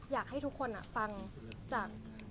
อยากให้ทุกคนฟังจาก